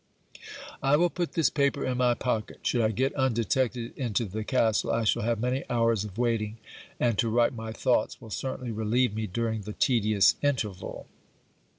I will put this paper in my pocket. Should I get undetected into the castle, I shall have many hours of waiting; and to write my thoughts will certainly relieve me during the tedious interval.